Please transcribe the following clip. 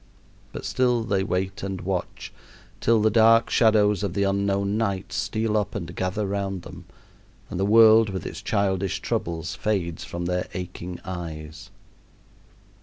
But still they wait and watch, till the dark shadows of the unknown night steal up and gather round them and the world with its childish troubles fades from their aching eyes.